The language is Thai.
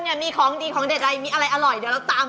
เอาไปเปิดร้าน